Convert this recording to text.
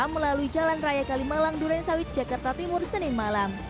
melalui jalan raya kalimalang durensawit jakarta timur senin malam